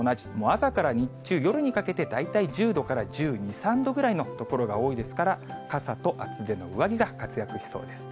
朝から日中、夜にかけて、大体１０度から１２、３度ぐらいの所が多いですから、傘と厚手の上着が活躍しそうです。